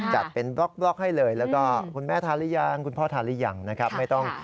จัดเป็นบล็อกให้เลยแล้วก็คุณแม่ทานหรือยัง